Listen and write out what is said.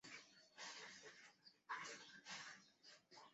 他是波兰裔瑞典人。